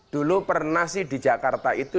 dulu pernah sih di jakarta itu